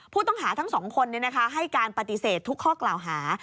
ผู้ต้องหาทั้งสองคนให้การปฏิเสธทุกข้อกล่าวหา